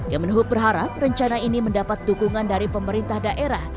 kemenhub berharap rencana ini mendapat dukungan dari pemerintah daerah